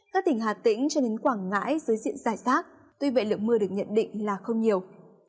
các tỉnh hà tĩnh cho đến quảng ngãi dưới diện giải rác tuy vậy lượng mưa được nhận định là không nhiều